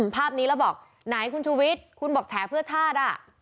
ภาพนี้แล้วบอกไหนคุณชูวิทย์คุณบอกแฉเพื่อชาติ